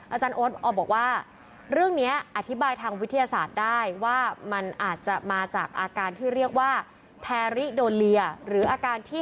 อาจารย์ออสบอกว่าเรื่องนี้อธิบายทางวิทยาศาสตร์ได้